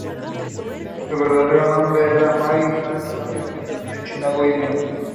Su verdadero nombre era Mary Helen Anderson, y nació en Chicago, Illinois.